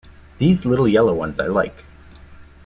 These little yellow ones I like.